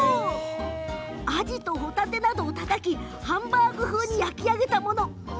あじと、ほたてなどをたたいてハンバーグ風に焼き上げたもの。